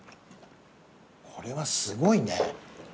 これはすごいね。